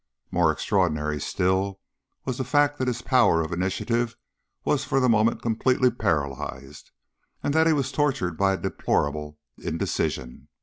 More extraordinary still was the fact that his power of initiative was for the moment completely paralyzed, and that he was tortured by a deplorable indecision.